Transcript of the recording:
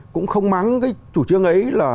cũng không mắng cái chủ trương ấy